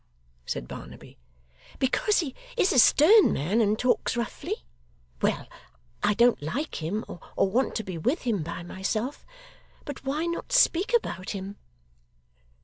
said Barnaby. 'Because he is a stern man, and talks roughly? Well! I don't like him, or want to be with him by myself; but why not speak about him?